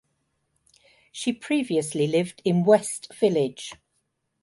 She previously lived in West Village.